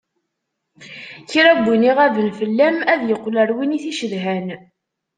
Kra win iɣaben fell-am, ad yeqqel ar win i t-icedhan.